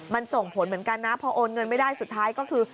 มันส่งผลเหมือนกันนะพอโอนเงินไม่ได้สุดท้ายก็คือ